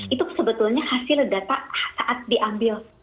itu sebetulnya hasil data saat diambil